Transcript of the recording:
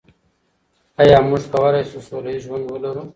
آیا موږ کولای شو سوله ییز ژوند ولرو؟